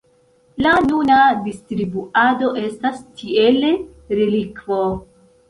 La nuna distribuado estas tiele relikvo.